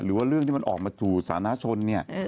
หรือว่าเรื่องที่มันออกมาสู่สาธารณชนเนี่ย